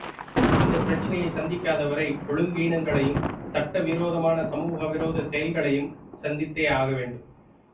இந்தப் பிரச்சனையைச் சந்திக்காதவரை ஒழுங்கீனங்களையும் சட்ட விரோதமான சமூக விரோத செயல்களையும் சந்தித்துத்தான் ஆக வேண்டும்.